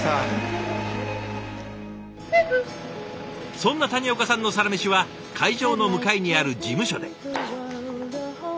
そんな谷岡さんのサラメシは会場の向かいにある事務所で。